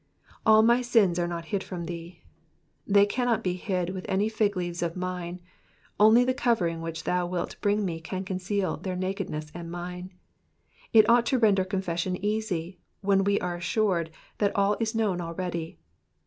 ^'^And my sins are not hid from thee,'' ^ They cannot be hid with any fig leaves of mine ; only the covering which thou wilt bring me can conceal their nakedness and mine. , It ought to render con fession easy, when we are assured that all is known already.